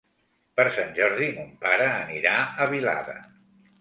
Per Sant Jordi mon pare anirà a Vilada.